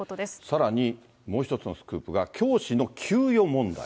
さらにもう一つのスクープが、教師の給与問題。